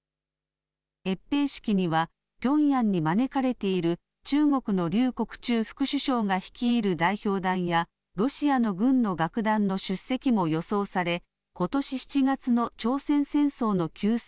閲兵式にはピョンヤンに招かれている、中国の劉国中副首相が率いる代表団や、ロシアの軍の楽団の出席も予想され、ことし７月の朝鮮戦争の休戦